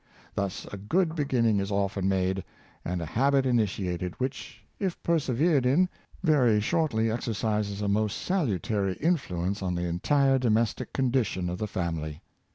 Thus a good beginning is often made, and a habit initiated, which, if persevered in, very shortly exercises a most salutary influence on the entire domestic condi tion of the family.